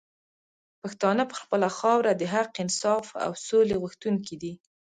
پښتانه پر خپله خاوره د حق، انصاف او سولي غوښتونکي دي